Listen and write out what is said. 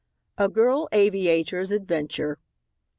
A GIRL AVIATOR'S ADVENTURE.